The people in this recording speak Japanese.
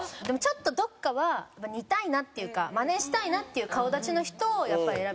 でもちょっとどこかは似たいなっていうかまねしたいなっていう顔立ちの人をやっぱり。